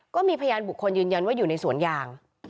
ก็มีพยานบุคคลยืนยันว่าอยู่ในสวนยาง